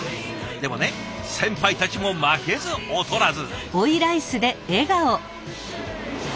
でもね先輩たちも負けず劣らず。